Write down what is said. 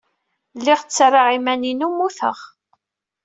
Lliɣ ttarraɣ iman-inu mmuteɣ.